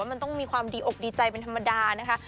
มันต้องมีความดีอกดีใจเป็นธรรมดานะคะ